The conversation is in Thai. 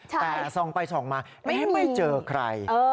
แต่ส่องไปส่องมาไม่เจอใคร